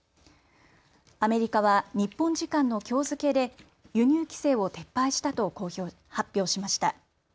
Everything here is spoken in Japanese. アメリカは日本時間のきょう付けで輸入規制を撤廃したと発表しました。